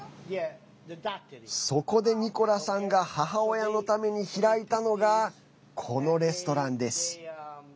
そこでニコラさんが母親のために開いたのがこのレストランです。